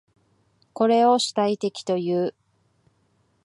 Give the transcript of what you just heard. これを主体的という。